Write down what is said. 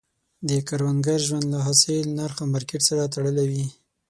د کروندګر ژوند له حاصل، نرخ او مارکیټ سره تړلی وي.